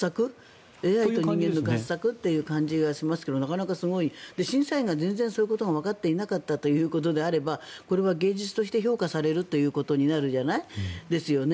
ＡＩと人間の合作という感じがしますけどなかなかすごい。審査員が全然そういうことがわかっていなかったということであれば、芸術で評価されるということになるじゃない。